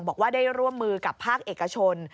บอกว่าได้ร่วมมือกับภาคเอกชน